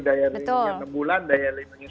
daya lindungnya enam bulan daya lindungnya